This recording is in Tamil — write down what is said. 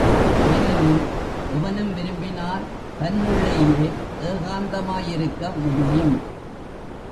ஏனெனில் எவனும் விரும்பினால் தன்னுள்ளேயே ஏகாந்தமாயிருக்க முடியும்.